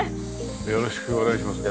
よろしくお願いします。